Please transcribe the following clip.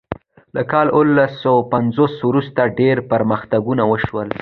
له کال اوولس سوه پنځوس وروسته ډیر پرمختګونه وشول.